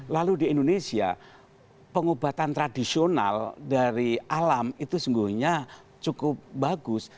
lalu di indonesia pengobatan tradisional dari alam itu sungguhnya cukup bagus